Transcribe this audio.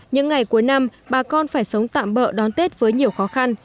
những ngày cuối năm bà con phải sống tạm bỡ đón tết với nhiều khó khăn